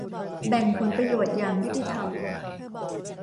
แบ่งผลประโยชน์อย่างยุติธรรม